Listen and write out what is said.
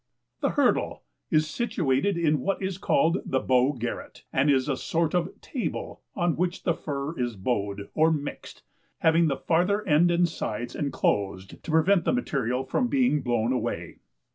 The HURDLE is situate in what is called the bow garret, and is a sort of table, on which the fur is bowed, or mixed, having the farther end and sides enclosed to prevent the material from being blown away.